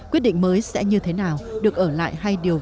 quyết định mới sẽ như thế nào được ở lại hay điều